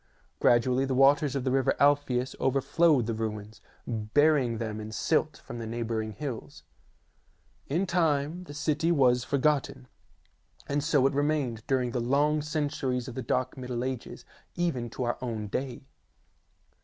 Gradually the waters of the river Alpheus over flowed the ruins, burying them in the silt from the neighbouring hills. In time the city was forgotten, and so it remained during the long centuries of the dark Middle Ages, even to our own day.